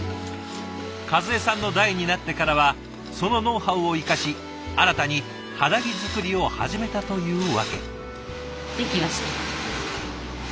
和江さんの代になってからはそのノウハウを生かし新たに肌着作りを始めたというわけ。